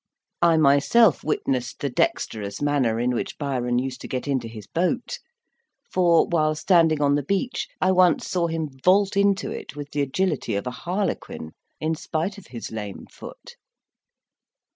I myself witnessed the dexterous manner in which Byron used to get into his boat; for, while standing on the beach, I once saw him vault into it with the agility of a harlequin, in spite of his lame foot.